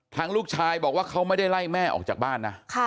ลูกชายบอกว่าเขาไม่ได้ไล่แม่ออกจากบ้านนะ